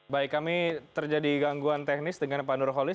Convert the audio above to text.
baik kami terjadi gangguan teknis dengan pak nurholis